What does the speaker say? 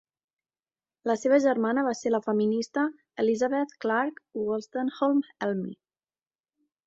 La seva germana va ser la feminista Elizabeth Clarke Wolstenholme Elmy.